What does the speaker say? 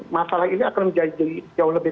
masalah ini akan menjadi jauh lebih